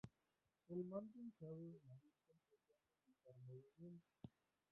El manto hinchado de la Virgen pretende indicar movimiento.